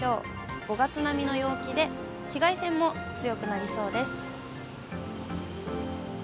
広く５月並みの陽気で、紫外線も強くなりそうです。